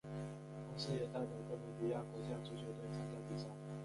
同时也代表哥伦比亚国家足球队参加比赛。